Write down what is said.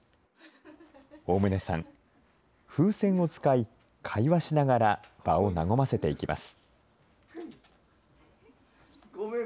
大棟さん、風船を使い、会話しながら場を和ませていきます。